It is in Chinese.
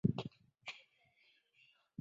之后出任多项公职。